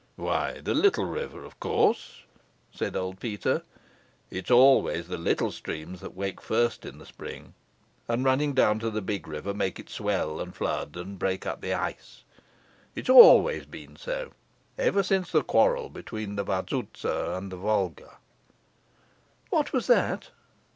"Why, the little river, of course," said old Peter. "It's always the little streams that wake first in the spring, and running down to the big river make it swell and flood and break up the ice. It's always been so ever since the quarrel between the Vazouza and the Volga." "What was that?"